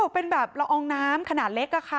อ๋อเป็นแบบล้องน้ำขนาดเล็กล่ะค่ะ